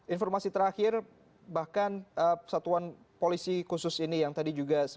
informasi terakhir bahkan satuan polisi khusus ini yang tadi juga